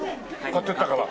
買っていったから？